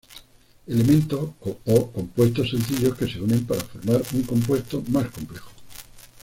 Elementos o compuestos sencillos que se unen para formar un compuesto más complejo.